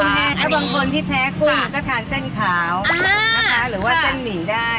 ถ้าบางคนที่แพ้กุ้งก็ทานเส้นขาวนะคะหรือว่าเส้นหมี่ได้